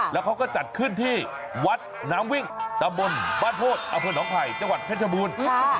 แล้วเขาก็จัดขึ้นที่วัดน้ำวิ่งตะบนบ้านโพธิอำเภอหนองไผ่จังหวัดเพชรบูรณ์